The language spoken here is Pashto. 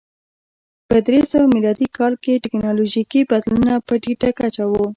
په درې سوه میلادي کال کې ټکنالوژیکي بدلونونه په ټیټه کچه و.